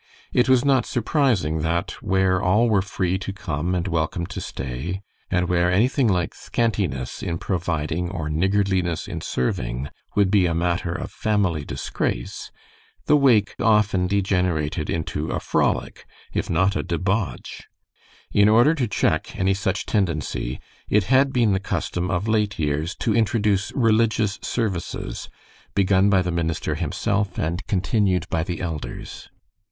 It was not surprising that, where all were free to come and welcome to stay, and where anything like scantiness in providing or niggardliness in serving would be a matter of family disgrace, the wake often degenerated into a frolic, if not a debauch. In order to check any such tendency, it had been the custom of late years to introduce religious services, begun by the minister himself and continued by the elders.